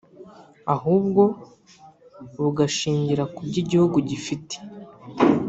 ahubwo bugashingira ku byo igihugu gifite”